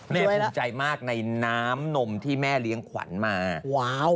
ภูมิใจมากในน้ำนมที่แม่เลี้ยงขวัญมาว้าว